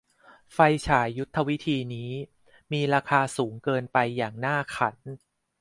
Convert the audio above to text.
ไฟฉายยุทธวิธีนี้มีราคาสูงเกินไปอย่างน่าขัน